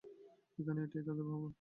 এখানে, এটাই তাদের তাঁবু।